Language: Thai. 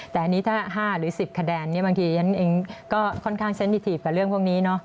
แต่อันนี้ถ้า๕หรือ๑๐คะแนนบางทีฉันเองก็ค่อนข้างเซ็นนิทีฟกับเรื่องพวกนี้เนอะ